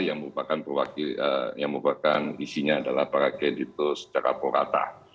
yang merupakan isinya adalah para kreditur secara purata